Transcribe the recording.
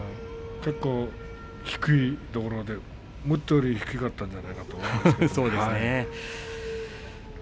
結構低いところで思ったより低かったんじゃないかと思いますね。